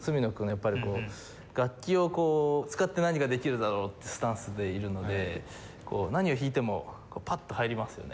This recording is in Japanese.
やっぱり楽器を使って何ができるだろうってスタンスでいるので何を弾いてもパッと入りますよね。